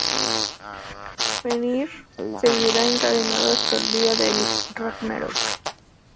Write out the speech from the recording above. Fenrir seguirá encadenado hasta el día de Ragnarök.